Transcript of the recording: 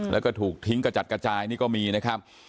แล้วก็ถูกทิ้งกระจัดกระจายนี่ก็มีนะครับ